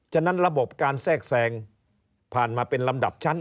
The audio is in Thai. ฉะนั้นระบบการแทรกแทรงผ่านมาเป็นลำดับชั้น